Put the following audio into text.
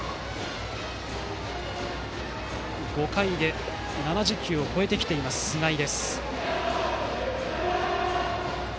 ５回で７０球を超えている菅井。